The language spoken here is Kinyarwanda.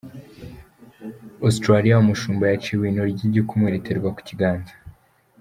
Australia: Umushumba yaciwe ino ry’ igikumwe riterwa ku kiganza.